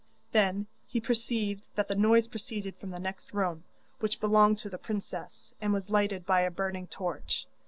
Then he perceived that the noise proceeded from the next room, which belonged to the princess, and was lighted by a burning torch.